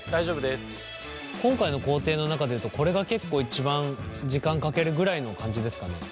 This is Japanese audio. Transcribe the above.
今回の工程の中で言うとこれが結構一番時間かけるぐらいの感じですかね？